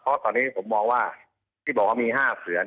เพราะตอนนี้ผมมองว่าที่บอกว่ามี๕เสือ